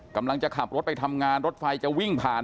กำลังจะขับรถไปทำงานรถไฟจะวิ่งผ่าน